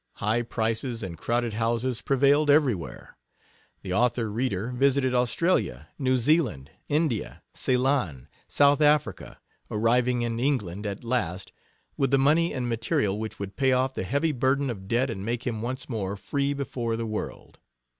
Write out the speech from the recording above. High prices and crowded houses prevailed everywhere. The author reader visited Australia, New Zealand, India, Ceylon, South Africa, arriving in England, at last, with the money and material which would pay off the heavy burden of debt and make him once more free before the world.